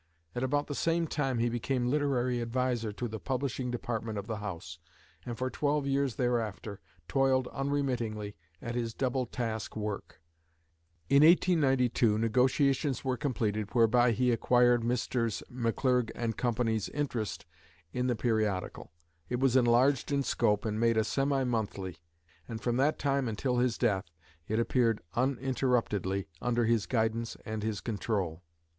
At about the same time he became literary adviser to the publishing department of the house, and for twelve years thereafter toiled unremittingly at his double task work. In 1892, negotiations were completed whereby he acquired Messrs. McClurg & Co.'s interest in the periodical. It was enlarged in scope, and made a semi monthly; and from that time until his death it appeared uninterruptedly under his guidance and his control.